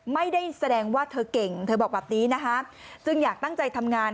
ไม่ได้แสดงว่าเธอเก่งเธอบอกแบบนี้นะคะจึงอยากตั้งใจทำงาน